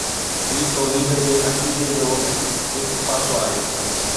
هي توحيد جي عقيدي جو هڪ پاسو آهي